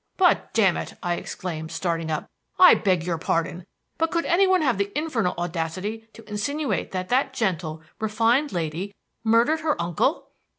"But damn it!" I exclaimed, starting up "I beg your pardon but could anyone have the infernal audacity to insinuate that that gentle, refined lady murdered her uncle?"